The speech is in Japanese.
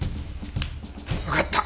わかった。